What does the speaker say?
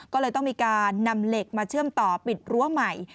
ก็เลยต้องมีการนำเหล็กมาเชื่อมต่อปิดรั้วใหม่